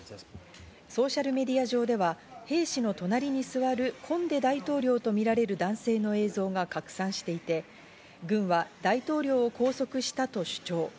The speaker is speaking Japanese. ソーシャルメディア上では兵士の隣に座るコンデ大統領とみられる男性の映像が拡散していて、軍は大統領を拘束したと主張。